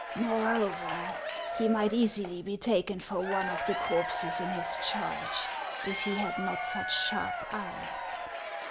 "Moreover, he might easily be taken for one of the corpses in his charge if he had not such sharp eyes."